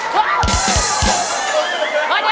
เดี๋ยว